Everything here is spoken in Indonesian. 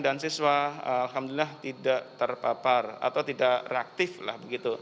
dan siswa alhamdulillah tidak terpapar atau tidak reaktif lah begitu